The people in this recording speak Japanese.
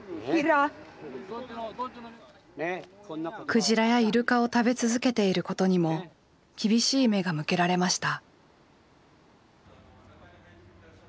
クジラやイルカを食べ続けていることにも厳しい目が向けられました。